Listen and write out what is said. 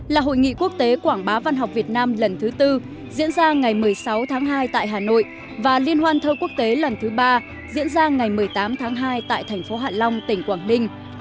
là hội nghị quốc tế quảng bá văn học việt nam lần thứ tư diễn ra ngày một mươi sáu tháng hai tại hà nội và liên hoan thơ quốc tế lần thứ ba diễn ra ngày một mươi tám tháng hai tại thành phố hạ long tỉnh quảng ninh